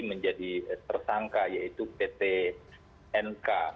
menjadi tersangka yaitu pt mk